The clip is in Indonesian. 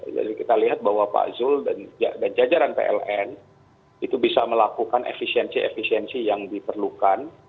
jadi kita lihat bahwa pak zulkifli dan jajaran pln itu bisa melakukan efisiensi efisiensi yang diperlukan